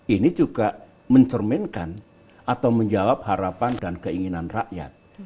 ini juga mencerminkan atau menjawab harapan dan keinginan rakyat